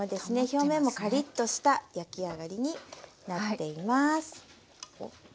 表面もカリッとした焼き上がりになっています。